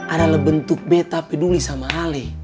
ada bentuk betta peduli sama ale